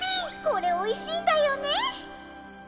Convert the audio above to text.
これおいしいんだよね。